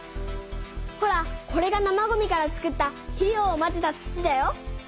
ほらこれが生ごみから作った肥料をまぜた土だよ。